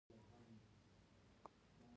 دا ډول نښې په راوروسته قومونو کې ډېرې لیدل کېږي